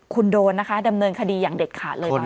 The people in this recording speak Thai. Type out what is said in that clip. คุณโดนนะคะดำเนินคดีอย่างเด็ดขาดเลยตอนนี้